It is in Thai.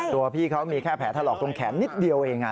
พี่เขามีแค่แผลถลอกตรงแขนนิดเดียวเอง